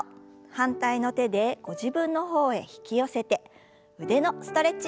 反対の手でご自分の方へ引き寄せて腕のストレッチです。